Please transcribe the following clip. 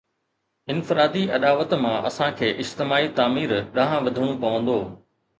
انفرادي اڏاوت مان اسان کي اجتماعي تعمير ڏانهن وڌڻو پوندو.